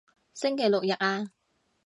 星期六日啊